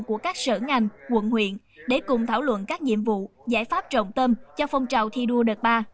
của các sở ngành quận huyện để cùng thảo luận các nhiệm vụ giải pháp trọng tâm cho phong trào thi đua đợt ba